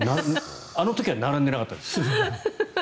あの時は並んでなかったです。